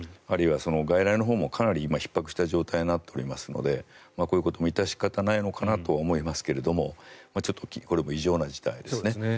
あるいは外来のほうもかなり今、ひっ迫した状態になっておりますのでこういうことも致し方ないのかなと思いますがちょっとこれも異常な事態ですね。